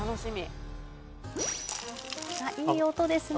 いい音ですね・